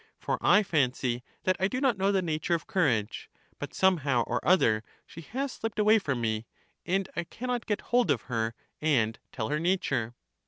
For I fancy that I do know the nature of courage; but, somehow or other, she has slipped away from me, and I can not get hold of her and tell her nature.